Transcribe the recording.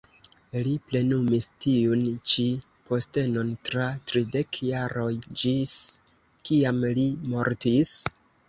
Li plenumis tiun ĉi postenon tra tridek jaroj, ĝis kiam li mortis.